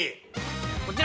こちら。